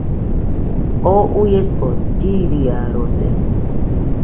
Oo uieko chiriarode.